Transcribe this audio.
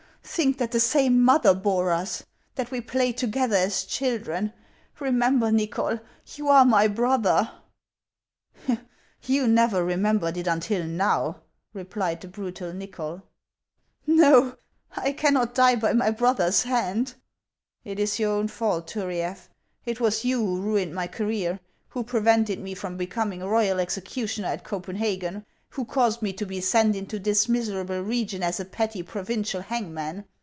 Think that the same mother bore us ; that we played together as children. Remember, Nychol, you are my brother !" •'You never remembered it until now," replied the brutal Xychol. " Xo, I cannot die by my brother's hand !"" It is your own fault, Turiaf. It was you who ruined my career ; who prevented me from becoming royal execu tioner at Copenhagen ; who caused me to be sent into this miserable region as a petty provincial hangman.